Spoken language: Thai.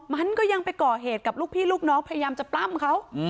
มันก็ยังไปก่อเหตุกับลูกพี่ลูกน้องพยายามจะปล้ำเขา